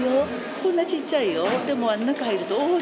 こんなちっちゃいよ。